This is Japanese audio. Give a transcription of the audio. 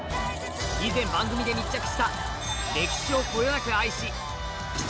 以前番組で密着した歴史をこよなく愛し１９才！